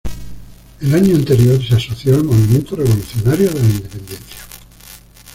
El año anterior se asoció al movimiento revolucionario de la Independencia.